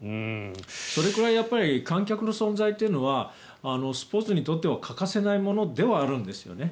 それくらい観客の存在というのはスポーツにとって欠かせないものではあるんですよね。